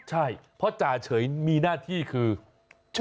ใช่เพราะจ่าเฉยมีหน้าที่คือ